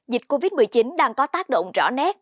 dịch covid một mươi chín đang có tác động rõ nét